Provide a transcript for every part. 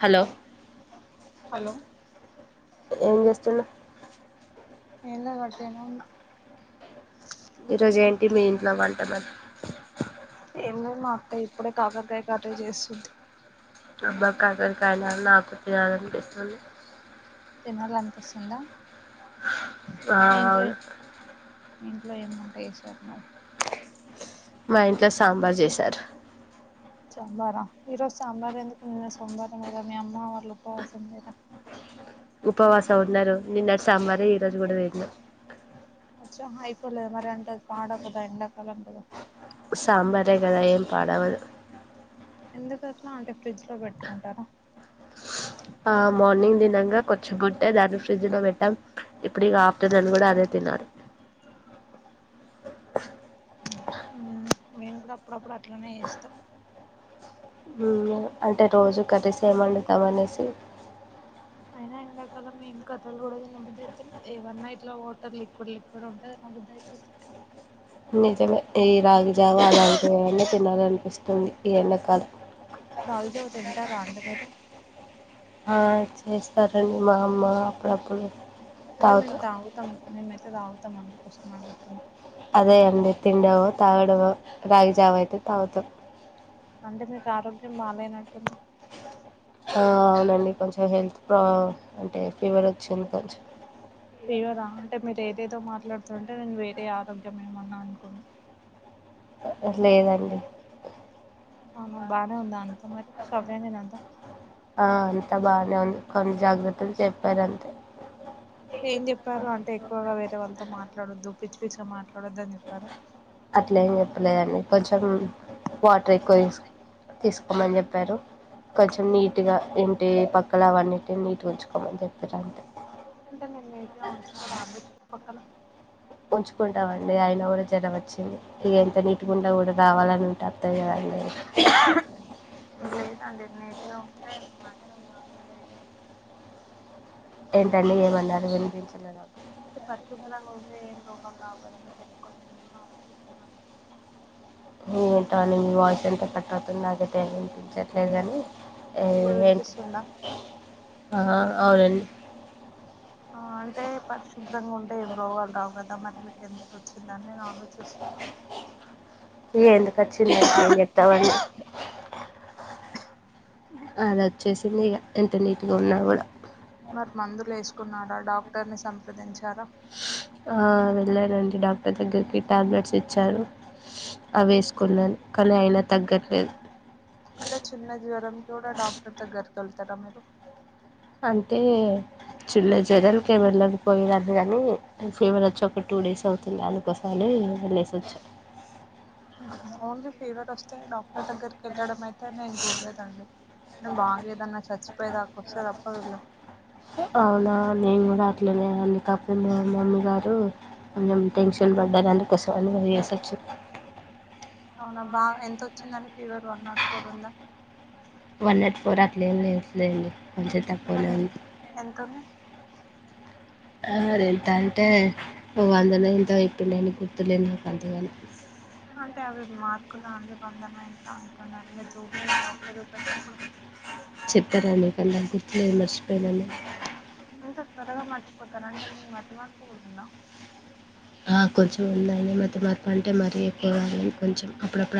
Hello hello ఏం చేస్తున్నా ఏం లే వట్టిగానే ఉన్న ఈరోజు ఏంటి మీ ఇంట్లో వంట మర్ ఏం లేదు మము ఇప్పుడే కాకరకాయ కర్రీ చేస్తుంది అబ్బా కారకాయనా నాకు తినాలనిపిస్తుంది తినాల అనిపిస్తుందా ఆ ఆ ఇంట్లో ఏం వంట చేసారు మరి మా ఇంట్లో సాంబార్ చేసారు సాంబార ఈరోజు సాంబారం ఎందుకు నిన్న సోమవారం కదా మీ అమ్మ వాళ్ళు ఉప్పవాసం లేరా ఉపవాసం ఉన్నారు నిన్నటి సాంబారి ఈ రోజు కూడా తిన్నాం అచ్చ అయిపోలేదా మరి అంత పాడవదా ఎండకాలం కదా సాంబారే కదా ఏం పాడవదు ఎందుకు అట్లా అంటే ఫ్రిడ్జ్ లో పెట్టుకుంటార ఆ మార్నింగ్ తినంగా కొంచం ఉంటే దాన్ని ఫ్రిడ్జ్ లో పెట్టాం. ఇప్పుడుగా ఆఫ్టర్నూన్ కూడా అదే తినాలి మేము కూడా అప్పుడప్పుడు అట్లనే చేస్తాం ఉమ్ అంటే రోజు కర్రీస్ ఏ వండుతాం అనేసి అయినా ఎండాకాలం మేం కథలు కూడ బుద్ధి అయితది, ఏమన్నా ఇట్లా వాటర్ లిక్విడ్ లిక్విడ్ ఉంటే తినబుద్ధి అయితది, నిజమే ఈ రాగిజావ అలాంటివి అన్ని తినాలనిపిస్తుంది ఈ ఎండాకాలం రాగి జావ తింటారా అండి మీరు ఆ చేస్తారండి మా అమ్మ అప్పుడప్పుడు అంటే మేము తాగుతాం. మేమయితే తాగుతాం కొంతమంది వస్తంతు [inaudible] అదే అండి తిడావో తాగడవో రాగిజావ అయితే తాగుతాం అంటే మీకు ఆరోగ్యం బాలేనట్టుంది అ అవునండి కొంచెం హెల్త్ ప్రా అంటే ఫీవర్ వచ్చింది కొంచెం ఫవ రాంట మీ ఏదో మాట్లాడుతుంటే నేను వేరే ఆరోగ్యం ఏమన్నా అనుకున్నా ఇంక లేదండి అవునా బానే ఉందా అండి మరి సగమే ఇదంతా ఇంత బాగానే ఉంది కొన్ని జాగ్రత్తలు చెప్పారు అంతే ఏం చెప్పారు అంటే ఎక్కువగా వేరే వాళ్ళతో మాట్లాడొద్దు గా మాట్లాడొద్దాని చెప్పారు అట్లే ఏం చెప్పలేదండి కొంచెం వాటర్ ఎక్కువ తీసుకో తీసుకోమని చెప్పారు కొంచెం నీట్గా ఏంటి పక్క క్కలా అవన్నిటి నీట్ ఉంచుకోమని చెప్పార అంతే అంటే నేను నీట్గా ఉంచుకోరా అండి చుట్టుపక్కల ఉంచుకుంటామండి అయన కూడా జర వచ్చి ఇక ఎంత నీటు గుండా కూడా రావాలని ఉంటే వత్తాయి కదండి లేదండి నీట్గా ఉంటే మంచం జాగ్రత్త ఏదైనా ఏంటండి ఏమన్నారు వినిపించలేదు అంటే పరిశుభ్రంగా ఉంటే ఏం రోగాలు రావు కదా అని చెప్పి ఏంటో అండి మీ వాయిస్ ఎంత కట్ అవుతుంది నాకైతే ఏం వినిపించట్లేదు కానీ ఇప్పుడు ఏంటి వినిపిస్తుందా ఆ అవునండి ఆ అంటే పరిశుభ్రంగా ఉంటే ఏం రోగాలు రావు కదా మరి మీకు ఎందుకు వచ్చిందని నా ఆలోచ ఎందుకు వచ్చిందంటే ఏం చెప్తామండి అది వచ్చేసింది ఇక ఎంత నీట్గా ఉన్నా కూడా మరి మందులు వేసు కున్నాడా డాక్టర్ ని సంప్రదించారా అ వెళ్ళానండి డాక్టర్ దగ్గరికి, టాబ్లెట్స్ ఇచ్చారు, అవి వేసుకున్నాను కానీ అయినా తగ్గట్లేదు అంటే చిన్న జీవరం డ డాక్టర్ త గర్ గలత మీరు అంటే చుల్ల జరలకి ఎమన్నా [unintelligible] కానీ ఫీవర్ వచ్చి ఒక టూ డేస్ అవుతుంది, అందుకోసారి వెళ్లేసి వచ్చ ఓన్లీ ఫీవర్ వస్తే డాక్టర్ దగ్గరికి వెళ్ళడం అయితే నేను చూడలేదండి. న బాగాదన్నా చచ్చిపోయదాక వచ్చే తప్పదుల్లో అవునా నేను కూడా అట్లేనే అని కాకుండా మమ్మీ గారు, కొంచెం టెన్షన్ పడ్డారు అందుకోసం అనువి చేసొచ్చు అవునా బాగా ఎంత వచ్చిందని ఫీవర్ వన్ నాట్ ఫోర్ ఉందా వన్ నాట్ ఫోర్ అట్లేమ్ లేదులెండి మరి కొంచతప్పలోం ఎంత ఎంత ఉంది అ ఎంతంటే ఓ వందన ఎంతో ఇప్పుడు నేను గుర్తులేను నాకు అంతగాని అంటే అవి మార్కులు అన్ని వందన ఎంత అంటున్నారు మీరు చూడలేద డాక్టరు పేట్టినప్పుడు చెప్పారండి కానీ నాకు గుర్తులేదు మర్చిపోయినాను ఇంత త్వరగా మర్చిపోతార అంటే మీకు మతిమరుపు పోడుందా ఆ కొంచెం ఉందని మతిమరుపు అంటే మరి ఎక్కువ కాదు కొంచెం అప్పుడప్పు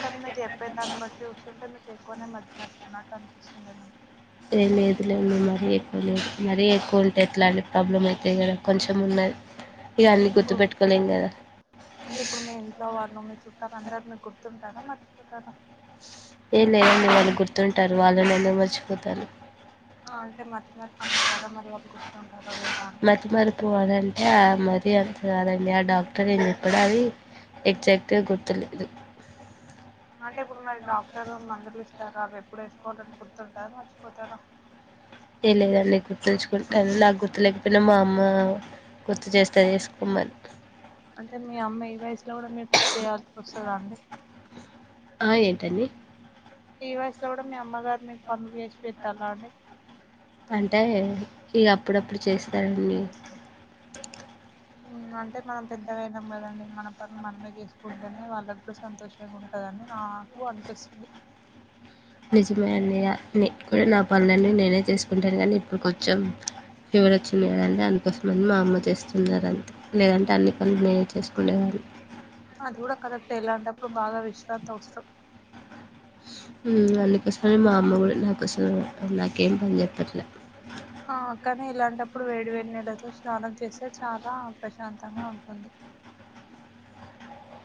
కానీ మీరు చేప్పే దాన్ని బట్టి చూస్తుంటే మీకు ఎక్కువనే మతిమరుపు ఉన్నట్టు అనిపిస్తుంది నా ఏ లేదు లేదు మరీ ఎక్కువ లేదు మరీ ఎక్కువ ఉంటే ఎట్లాంటి ప్రాబ్లం అయితది కదా కొంచెం ఉన్నది ఇక అన్నీ ఇప్పుడు గుర్తుపెట్టుకోలేం కదా అంటే ఇప్పుడు మీ ఇంట్లో వాళ్ళు మీ చుట్ట అందరు మీ గుర్తుంటారా మర్చిపోతారా ఎ లేదండి వాళ్ళు గుర్తుంటారు వాళ్ళను ఎలా మర్చిపోతాను ఆ అంటే మతిమరుపు అన్నారు కదా మరి వాళ్ళు గుర్తుంటార మతి మరిపు అనంటే ఆ మతి అంత కాదం ది ఆ డాక్టర్ ఏం చెప్పడు అది ఎగ్జాక్ట్గా గుర్తులేదు అంటే ఇప్పుడు మరి డాక్టర్ మందులు ఇస్ టారు అవి ఎప్పుడు వేసుకోవాలని గుర్తుంటాద మర్చిపోతార ఏ లేదండి గుర్తుచ్చుకుంటాను నాకు గుర్తు లేకపోయినా మా అమ్మ గుర్తు చేస్తది ఏసుకోమని అంటే మీ అమ్మ ఈ వయసులో కూడా మీకు చేయాల్సి వస్తదా అండి ఆ ఏంటండీ ఈ వయసులో కూడా మీ అమ్మగారు మీకు పనులు చేసి పెట్టాలా అండి అంటే ఇగ అప్పుడప్పుడు చేస్తాదండి అంటే మనం పెద్దగాయినాం కదండి మన పనులు మనమే చేసుకుంటేనే వాళ్ళ కూడా సంతోషంగా ఉంటందని నాకు అనిపిస్తుంది నిజమే అండి ఆ నే కూడా నా పనులన్నీ నేనే చేసుకుంటాను కానీ ఇప్పుడు కొంచెం ఫీవర్ వచ్చింది కదండి అందుకోసం అని మా అమ్మ చేస్తున్నారు అంతే లేదంటే అన్ని పనులు నేనే చేసుకునేదాన్ని అది కూడా కరెక్టే ఇలాంటప్పుడు బాగా విశ్రాంతి అవసరం ఉ అందుకోసమే మా అమ్మ కూడ నీ కోసం పనులు నాకు ఏం చెప్పట్లే ఆ కానీ ఇలాంటప్పుడు వేడి వేడి నీలతో స్నానం చేస్తే చాలా ప్రశాంతంగా ఉంటుంది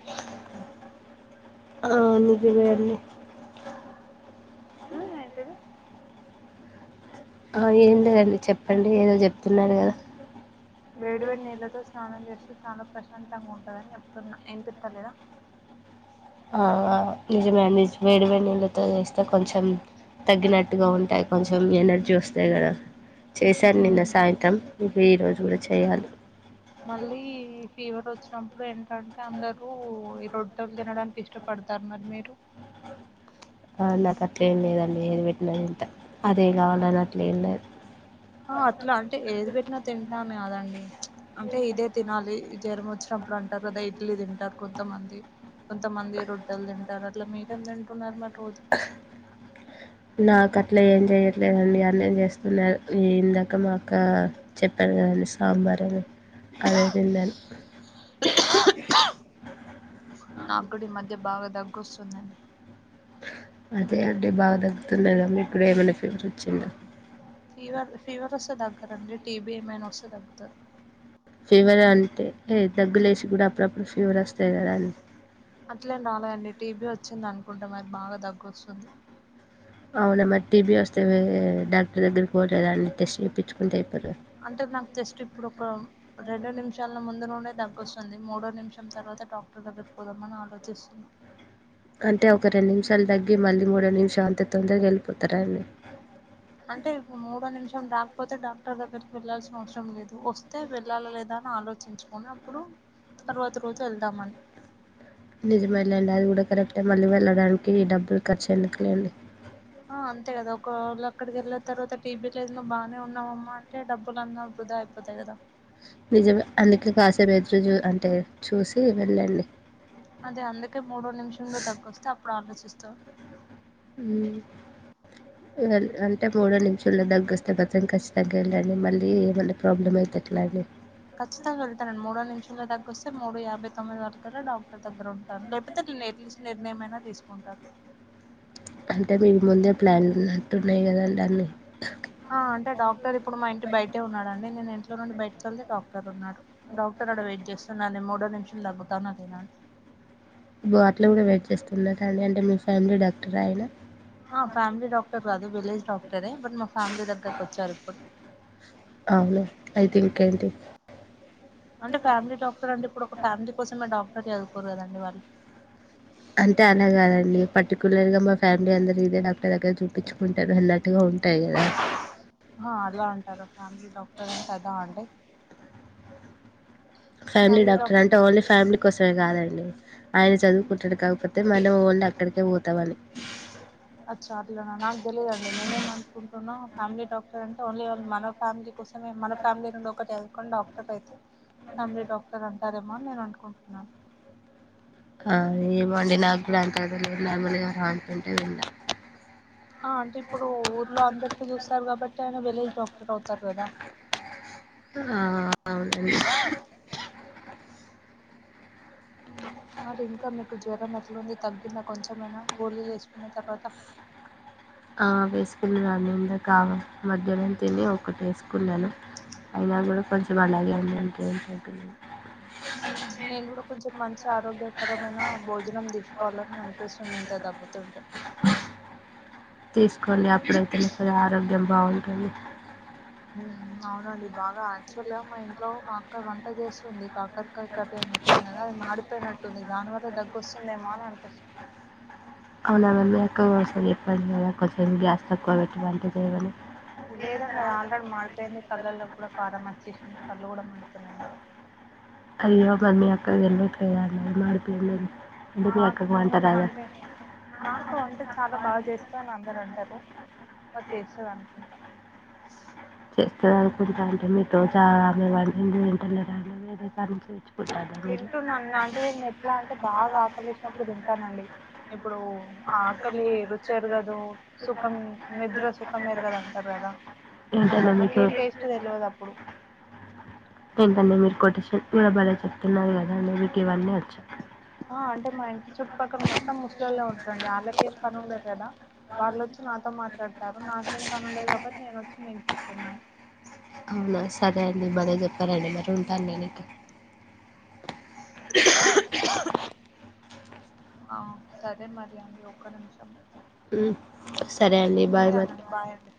ఆ ఆ ఆ నిజమే అండి అమ్మ యేదే ఆ ఎమ్లేదండి చెప్పండి ఏదో చెప్తున్నారు కదా వేడి వేడి నీళ్లతో స్నానం చేస్తే చాలా ప్రశాంతంగా ఉంటదని చెప్తున్నా ఇన్పిత్తలేదా ఆ నిజమే అండి వేడి వేడి నీళ్ళతో చేస్తే కొంచెం తగ్గినట్టుగా ఉంటాయి కొంచెం ఎనర్జీ వస్తు అంతేకదా చేశాను నిన్న ఉమ్ సాయంత్రం ఇంక ఈ రోజు మల్ల చేయాలి మళ్ళీ ఫీవర్ ఓ వచ్చినప్పుడు ఏంటంటే అందరు ఈ రొట్టెలు తినడానికి ఇష్టపడతారు మరి మీరు అ నాకు అట్లేం లేదండి ఏది పెట్టిన తింట అదే కావాలని అట్లే ఏం లేదు ఆ అట్లా అంటే ఏది పెట్టినా తింట అని కాదండి వి అంటే ఇదే తినాలి జ్వరం వచ్చినప్పుడు అంటారు కదా ఇడ్లీ తింటారు కొంతమంది కొంతమంది రొట్టెలు తింటారు అట్లా మీరేం తింటున్నారు మరి తీ నాక ట్లా ఏం చేయట్లేదండి అన్న ఏం చేస్తున్నారు ఇందాక మాక్క చెప్పాను కదండి సాంబార్ అని అదే తినన్ను అే బాగా తగ్గొస్తుందండి అదే అంటే బాగా దగ్కుతుందిదమ్ మీ ఇప్పుడ ఏమైనా ఫీవర్ వచ్చింద ఫవర్ ఫీవర్ వస్తే తగ్గరండి టీబి ఏమైన్ వస్తే తగ్గతారు ఫేవర్ అంటే ఏ దగ్గలేసి కూడా అప్పుడప్పుడు ఫీవర్ వస్తది కదా అని చ్చిందనుకుంట మరి బాగా దగోస్తుంది అవునా మరి టీబీ వస్తే డాక్టర్ దగ్గరికి పోలేదన్ టేస్ట్ చేపించుకుంటే అయిపో అంటే నాకు టెస్ట్ ఇప్పుడు ఒక రెండో నిమిషాల ముందు నుండే దగ్గొస్తుంది మూడో నిమిషం తర్వాత డాక్టర్ దగ్గకి పోదామని ఆలోచిస్తున్నా అంటే ఒక రెండు నిమిషాలు తగ్గి మళ్ళీ మూడో నిమిషాలు అంత తొందరగా వెళ్ళిపోతారండి అంటే ఇపుడు మూడో నిమిషం రాకపోతే డాక్టర్ దగ్గరికి వెళ్ళాల్సిన అవసరం లేదు వస్తే వెళ్ళాల లేదా అని ఆలోచించుకొని అప్పుడు తరువాత రోజు వెళ్దామని నిజమేలేండి అది కూడా కరెక్ట్ ఎ మళ్ళీ వెళ్ళడానికి డబ్బులు ఖర్చు ఎందుకులేండి. ఆ అంతే కదా ఒకవేళ అక్కడికి వెళ్ళిన తర్వాత టీబీ లేదు నువ్ బాగానే ఉన్నావమ్మా అంటే డబ్బులు అన్న వృధా అయిపోతాయి కదా నిజమే అందుకే కాసేపు ఎదురు చూ అంటే చూసి వెళ్ళండి అదే అందుకే మూడో నిమిషంలో దగ్గొస్తే అప్పుడు ఆలోచిస్తా త. అంటే మూడో నిమిషల్లో దగ్గొస్తే బతుం కష్టం తగ్గండి మళ్ళీ ఏమన్నా ప్రాబ్లమ్ అవుతుట్లాండి ఖచ్చితంగా వెళ్తానండీ మూడో నిమిషంలో దగ్గొస్తే మూడు యాభై తొమ్మిది వరకులా డాక్టర్ దగ్గర ఉంటారు లేకపోతే ను ఎట్లీస్ట్ నిర్ణయమయినా తీసుకుంటారు అంటే మీకు ముందే ప్లాన్లు ఉన్నట్టున్నాయి కదండి అన్ని ఆ అంటే డాక్టర్ ఇప్పుడు మా ఇంటి బయటే ఉన్నాడండి నేను ఇంట్లో నుండి బయటకి వెళ్తే డాక్టర్ ఉన్నాడు డాక్టర్ ఆడ వెయిట్ చేస్తున్నా అది మూడో నిమిషాలు దగ్గుతానా లేదా అని ఓ అట్లా కూడా వెయిట్ చేస్తున్నారండి అంటే మీ ఫ్యామిలీ డాక్టర్ ఆయన ఆ ఫ్యామిలీ డాక్టర్ కాదు విలేజ్ డాక్టరే బట్ మా ఫ్యామిలీ దగ్గరకు వచ్చారు ఇప్పుడు. కంటి. అంటే ఫ్యామిలీ డాక్టర్ అండి ఇప్పుడు ఒక ఫ్యామిలీ కోసమే డాక్ సటి అ కూరుగాదాండి వాళ్ళ అంటే అలాగాదండి పర్టికులర్ గా మా ఫ్యామిలీ అందరు ఇదే నాకు దగ్గర చూపించుకుంటారు వెల్లట్టుగా ఉంటాయి కదా ఎలా అంటారు ఫ్యామిలీ డాక్టర్ అంట పెద్ద అంటి ఫ్యామిలీ డాక్టర్ అంటే ఓన్లీ ఫ్యామిలీ కోసమే కాదండి ఆయన చదువుకుంటాడు కాకపోతే మనం ఓన్లీ అక్కడికే పోతామని. అచ్చా అట్లనా నాకు తెలియదండి నేనేమ అనుకుంటున్నా ఫ్యామిలీ డాక్టర్ అంటే ఓన్లీ మన ఫ్యామిలీ. సమే మన ఫ్యామిలీ నుండి ఒకటి కని డాక్టర్ అయితే తండ్రి డాక్టర్ అంటారేమో అని నేను అనుకుంటున్నాను ఆ ఏమోండి నాకు కూడా అంత ఐడియా లేదు నార్మల్ గా అంటుంటే విన్నా ఆ అంటే ఇప్పుడు ఊర్లో అందరికి చూస్తారు కాబట్టి ఆయన వెలేజ్ డాక్టర్ అవుతారు కదా. ఆ అవునండి మరి ఇంకా మీకు జ్వరం ఎట్లుంది తగ్గిందా కొంచెమైనా గోలీలు వేసుకున్న తర్వాత ఆ వేసుకున్నాను ఇంద కావ మధ్యాహ్నం తిని ఒకటి వేసుకున్నాను అయినా కూడా కొంచెం అలాగే ఉంది అంటే ఏ నేను కూడా కొంచెం మంచి ఆరోగ్యకరమైన భోజనం తీసుకోవాలని అనిపిస్తుంది ఏంటే దగ్గుతుంటే తీస్కె అంది అప్పుడైతే ఆరోగ్యం బాగుంది అలి అవునండి బాగా అక్టువల్ గా మా ఇంట్లో మా అక్క వంట చేస్తుంది కాకర్ కాయ కరీ అని చెప్పాను కదా అది మాడిపోయినట్టుంది దానివల్ల దగ్బొస్తుందేమో అని అనిపిస్తుంది అవునా మీకు ఎక్కువసం ఎప్ప కదా కొంచెం గ్యాస్ తక్కువ పెటువంటిది ఏవని లేదండి అది ఆల్రెడీ మాడిపోయింది కళ్ళల్లో కూడా కారంమంచి వెషెషిన్ కళ్ళుకూడామండుతున్నయిగా అయ్యో బన్నీ అక్క వెళ్లే ప్రయానం గాడుపు మెరుపులు మాకుంది మాకు కొంచెం అంటే మాకు అంటే చాలా బాగా చేస్తం అని అందరు అంటారు మరి చేస్తది అనుకుంటాం చేస్తది అనుకుంటా అంటే మీతో చానా వాడుతుంది తింటున్నాను అంటే నేను ఎట్లా అంటే బాగా ఆకలి ఎసినప్పుడు తింటానండి ఇప్పుడు ఆకలి రుచేరుగదు సుఖం నిద్ర సుఖం ఎరుగదు అంటారు కదా అట్లా ఏంటండి మీకు నాకేం టేస్ట్ తెల్వదు అప్పుడు అ మీరు కొటేషన్ కూడా బాగా చెప్తున్నారు కదా అండి మీకు ఇవన్నీ వచ్చా ఆ అంటే మా ఇంటి చుట్టుపక్కల మొత్తం ముసలొల్లో ఉంటారండి ఆళ్ళకె ఏం పనుందాటాన వాళ్ళచ్చి నాతో మాట్లాడతారు నాకేం పని ఉండదు కాబట్టి నేనొచ్చి మీ న్నా అవునా సరే అండి బలే చెప్పారండి మరి ఉంటానండి నకు హ్ హ్ ఆ సరే మరి అండి ఒక నిమిషం సరే అండి బాయ్ మరీ ఉంటానండి బాయ్ అండి